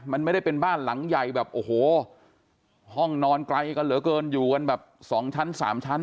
มันไม่ได้เป็นบ้านหลังใหญ่แบบโอ้โหห้องนอนไกลกันเหลือเกินอยู่กันแบบสองชั้นสามชั้น